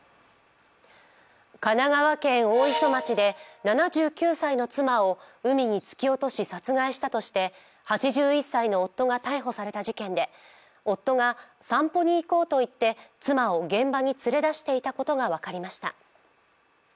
神奈川県大磯町で７９歳の妻を海に突き落とし殺害したとして８１歳の夫が逮捕された事件で、夫が、散歩に行こうと言って妻を現場に連れ出していたことが分かりました。